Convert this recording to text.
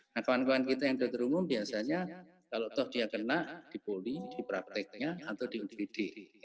nah kawan kawan kita yang dokter umum biasanya kalau toh dia kena dipoli di prakteknya atau di udpd